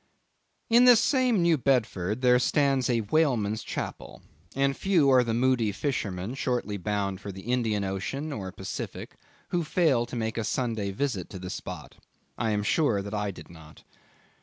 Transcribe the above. In this same New Bedford there stands a Whaleman's Chapel, and few are the moody fishermen, shortly bound for the Indian Ocean or Pacific, who fail to make a Sunday visit to the spot. I am sure that I did not.